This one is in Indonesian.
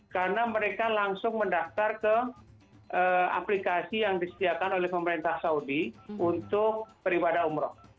karena mereka langsung mendaftar ke aplikasi yang disediakan oleh pemerintah saudi untuk peribadah umrah